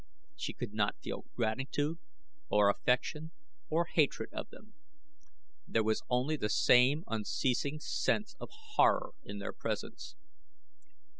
She could not feel gratitude, or affection, or hatred of them. There was only the same unceasing sense of horror in their presence.